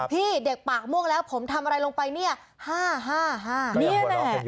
พี่เด็กปากม่วงแล้วผมทำอะไรลงไปเนี่ยฮ่า